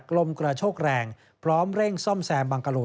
ลมกระโชกแรงพร้อมเร่งซ่อมแซมบังกะโล